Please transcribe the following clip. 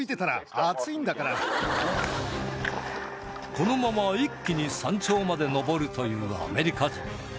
このまま一気に山頂まで登るというアメリカ人